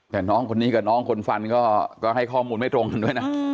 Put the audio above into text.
แต่น้องคนนี้กับน้องคนฟันก็ให้ข้อมูลไม่ตรงกันด้วยนะ